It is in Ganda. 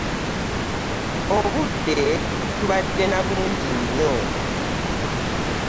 Obudde tubadde na bungi nnyo.